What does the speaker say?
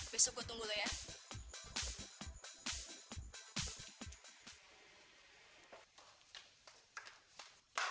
besok gue tunggu loh ya